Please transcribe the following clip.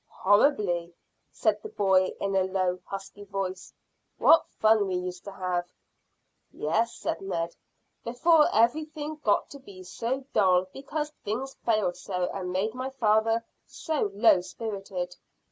"Horribly," said the boy in a low, husky voice. "What fun we used to have!" "Yes," said Ned, "before everything got to be so dull because things failed so and made my father so low spirited."